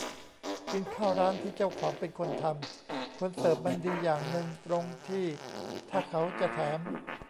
กินข้าวร้านที่เจ้าของเป็นคนทำคนเสิร์ฟมันดีอย่างนึงตรงที่ถ้าเขาจะแถม